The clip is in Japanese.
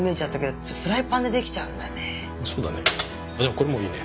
これもういいね。